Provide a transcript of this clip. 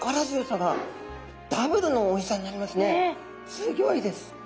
すギョいです。